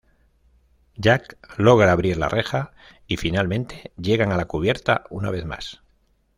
Jack logra abrir la reja y finalmente llegan a la cubierta una vez más.